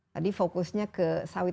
tadi fokusnya ke sawit